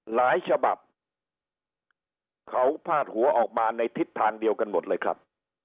ฉบับเขาพาดหัวออกมาในทิศทางเดียวกันหมดเลยครับ